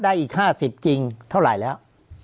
อีก๕๐จริงเท่าไหร่แล้ว